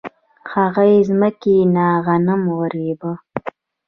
هغې ځمکې نه غنم ورېبه